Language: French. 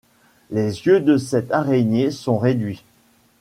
Les yeux de cette araignée sont réduits.